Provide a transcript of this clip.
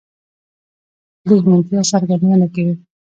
د ژمنتيا څرګندونه کوي؛